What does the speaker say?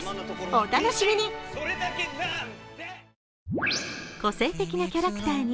お楽しみに！